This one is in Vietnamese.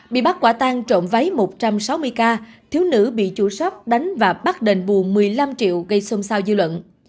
bị bắt quả tang trộm váy một trăm sáu mươi ca thiếu nữ bị chủ shop đánh và bắt đền bù một mươi năm triệu gây xôn xao dư luận